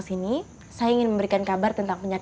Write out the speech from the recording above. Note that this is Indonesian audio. ini pilihan yang bagus ya